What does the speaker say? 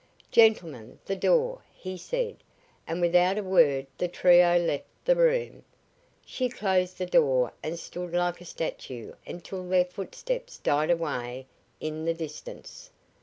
"Gentlemen, the door," he said, and without a word the trio left the room. She closed the door and stood like a statue until their footsteps died away in the distance.